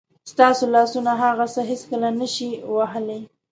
ستاسو لاسونه هغه څه هېڅکله نه شي وهلی.